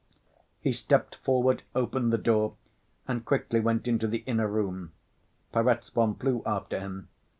He stepped forward, opened the door, and quickly went into the inner room. Perezvon flew after him.